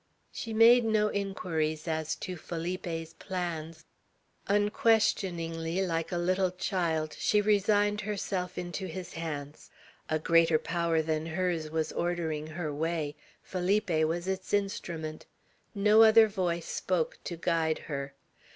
She made no inquiries as to Felipe's plans. Unquestioningly, like a little child, she resigned herself into his hands. A power greater than hers was ordering her way; Felipe was its instrument. No other voice spoke to guide her.